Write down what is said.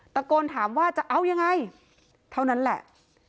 ตะโกนถามว่าจะเอายังไงเท่านั้นแหละ